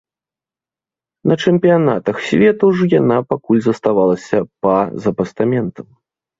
На чэмпіянатах свету ж яна пакуль заставалася па-за пастаментам.